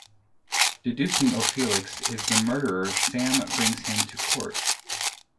Deducing O'Felix is the murderer, Sam brings him to court.